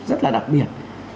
rất là đặc biệt